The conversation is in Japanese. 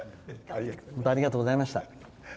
本当、ありがとうございました。